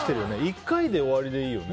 １回で終わりでいいよね。